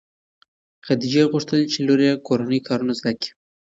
خدیجې غوښتل چې لور یې کورني کارونه زده کړي.